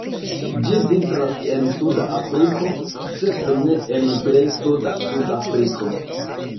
Ĝi vintras en Suda Afriko, sed ne en plej suda Sudafriko.